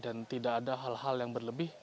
dan tidak ada hal hal yang berlebih